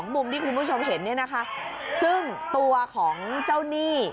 ๒ปุ่มที่คุณผู้ชมเห็นซึ่งตัวของเจ้านี่